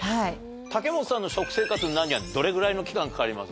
茸本さんの食生活になるにはどれぐらいの期間かかります？